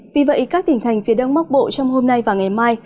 vì vậy các tỉnh thành phía đông bắc bộ trong hôm nay và ngày mai